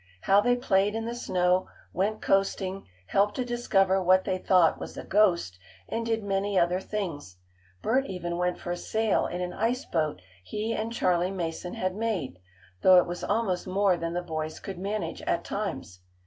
How they played in the snow, went coasting, helped to discover what they thought was a "ghost," and did many other things. Bert even went for a sail in an ice boat he and Charley Mason had made, though it was almost more than the boys could manage at times.